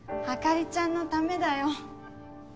朱梨ちゃんのためだよ。